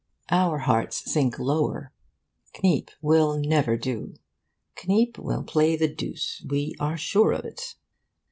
Our hearts sink lower. Kniep will never do. Kniep will play the deuce, we are sure of it.